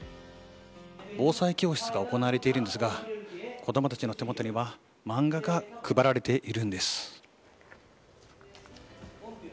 防災教室が行われているんですが子供たちの手元には漫画が配られているんです。